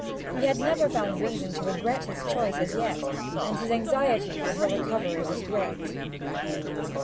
He had never found reason to regret his choice as yet, and his anxiety for her recovery was great.